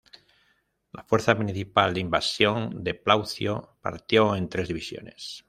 La fuerza principal de invasión de Plaucio partió en tres divisiones.